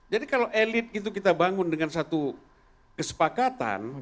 jadi kalau elit itu kita bangun dengan satu kesepakatan